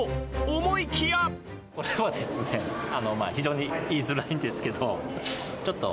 これはですね、非常に言いづらいんですけど、ちょっと、